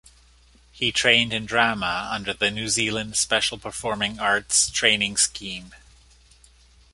He trained in drama under the New Zealand Special Performing Arts Training Scheme.